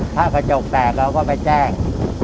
ถ้ากระจกแตกเราก็ไปแจ้ง